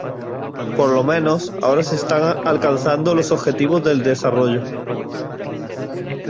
Por lo menos, ahora se están alcanzando los objetivos del desarrollo".